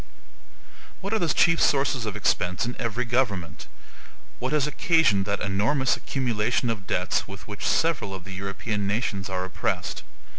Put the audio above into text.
What are the chief sources of expense in every government? What has occasioned that enormous accumulation of debts with which several of the European nations are oppressed?